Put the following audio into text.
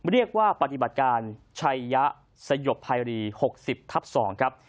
เรียกว่าปฏิบัติการชัยยะสยบภัยรี๖๐ทับ๒ครับ